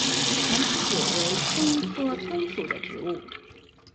坛丝韭为葱科葱属的植物。